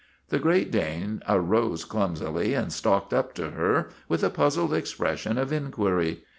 The Great Dane arose clumsily and stalked up to her with a puzzled expression of inquiry.